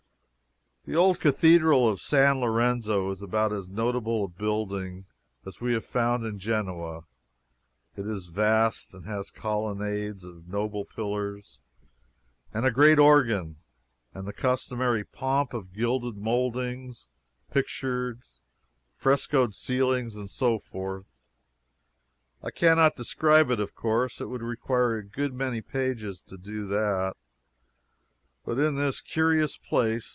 The old Cathedral of San Lorenzo is about as notable a building as we have found in Genoa. It is vast, and has colonnades of noble pillars, and a great organ, and the customary pomp of gilded moldings, pictures, frescoed ceilings, and so forth. I cannot describe it, of course it would require a good many pages to do that. But it is a curious place.